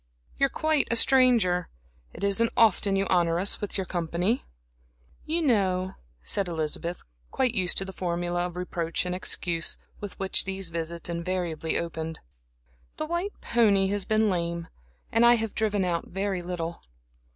You're quite a stranger. It isn't often you honor us with your company." "You know," said Elizabeth, quite used to the formula of reproach and excuse, with which these visits invariably opened "the white pony has been lame, and I have driven out very little."